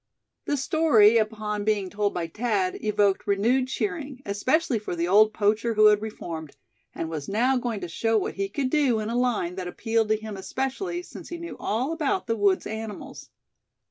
The story, upon being told by Thad, evoked renewed cheering, especially for the old poacher who had reformed, and was now going to show what he could do in a line that appealed to him especially, since he knew all about the woods' animals.